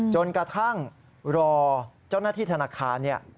จนกระทั่งรอเจ้าหน้าที่ธนาคารเนี่ย